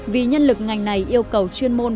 vì nhân lực ngành này yêu cầu chuyên môn